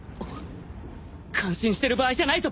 感心してる場合じゃないぞ！